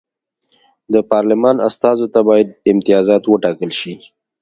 د پارلمان استازو ته باید امتیازات وټاکل شي.